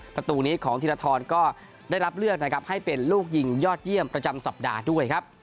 ประตูนี้ของธีรทรก็ได้รับเลือกนะครับให้เป็นลูกยิงยอดเยี่ยมประจำสัปดาห์ด้วยครับ